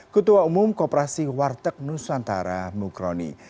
ketua umum kooperasi warteg nusantara mukroni